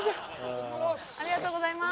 ありがとうございます。